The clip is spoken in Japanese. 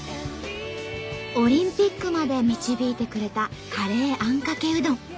オリンピックまで導いてくれたカレーあんかけうどん。